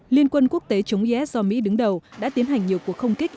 liên quân quốc tế chống is do mỹ đứng đầu đã tiến hành nhiều cuộc không kích